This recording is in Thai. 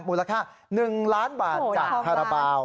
มูลค่า๑ล้านบาทจากคาราบาล